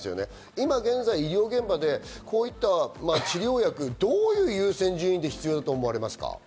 今現在、医療現場でこういった治療薬、どういう優先順位で必要だと思われますか？